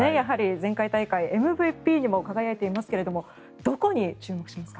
前回大会ＭＶＰにも輝いていますがどこに注目しますか。